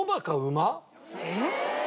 えっ？